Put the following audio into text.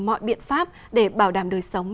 mọi biện pháp để bảo đảm đời sống